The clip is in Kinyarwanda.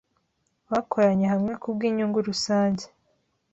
Bakoranye hamwe kubwinyungu rusange.